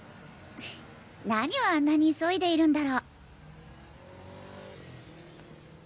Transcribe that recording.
何をあんなに急いでいるんだろ。